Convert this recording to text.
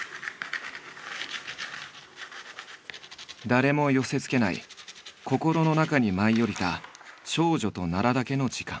誰も寄せつけない心の中に舞い降りた少女と奈良だけの時間。